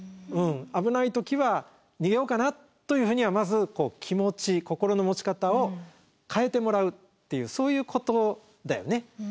危ない時は逃げようかなというふうにはまず気持ち心の持ち方を変えてもらうっていうそういうことだよね。